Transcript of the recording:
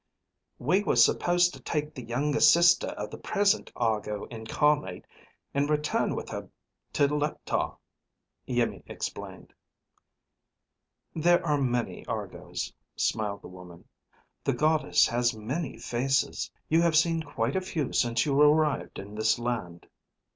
"We were supposed to take the younger sister of the present Argo Incarnate and return with her to Leptar," Iimmi explained. "There are many Argos," smiled the woman. "The Goddess has many faces. You have seen quite a few since you arrived in this land."